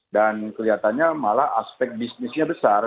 dan kelihatannya malah aspek bisnisnya besar